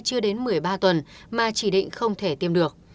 chưa đến một mươi ba tuần mà chỉ định không thể tìm được